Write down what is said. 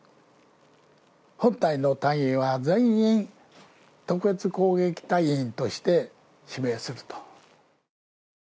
本隊の隊員は全員特別攻撃隊員として指名すると。